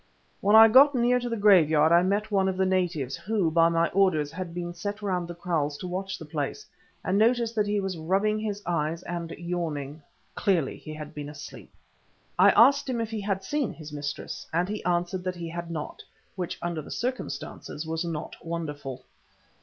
When I got near the graveyard I met one of the natives, who, by my orders, had been set round the kraals to watch the place, and noticed that he was rubbing his eyes and yawning. Clearly he had been asleep. I asked him if he had seen his mistress, and he answered that he had not, which under the circumstances was not wonderful.